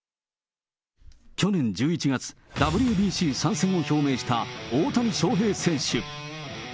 去年１１月、ＷＢＣ参戦を表明した大谷翔平選手。